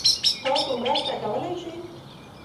تاسو مرسته کولای شئ؟